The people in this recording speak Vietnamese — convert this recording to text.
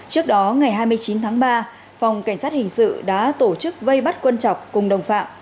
trước đó ngày hai mươi chín tháng ba phòng cảnh sát hình sự đã tổ chức vây bắt quân chọc cùng đồng phạm